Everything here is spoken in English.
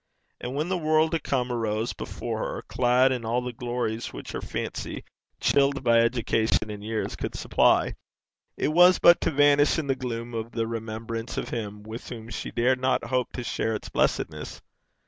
And when the world to come arose before her, clad in all the glories which her fancy, chilled by education and years, could supply, it was but to vanish in the gloom of the remembrance of him with whom she dared not hope to share its blessedness.